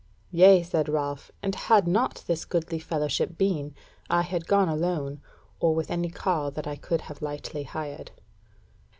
"Yea," said Ralph, "and had not this goodly fellowship been, I had gone alone, or with any carle that I could have lightly hired."